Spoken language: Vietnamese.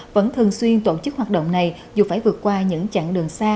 vẫn thường xuyên tổ chức hoạt động này dù phải vượt qua những chặng đường xa